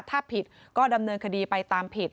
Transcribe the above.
ถ้าผิดก็ดำเนินคดีไปตามผิด